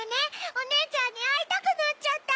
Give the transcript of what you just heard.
おねえちゃんにあいたくなっちゃった！